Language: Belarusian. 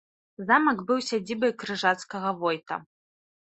Замак быў сядзібай крыжацкага войта.